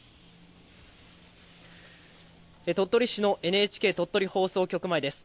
鳥取市のＮＨＫ鳥取放送局前です。